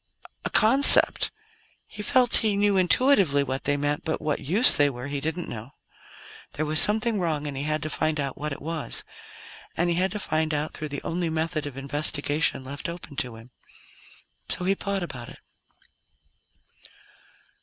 A concept? He felt he knew intuitively what they meant, but what use they were he didn't know. There was something wrong, and he had to find out what it was. And he had to find out through the only method of investigation left open to him. So he thought about it.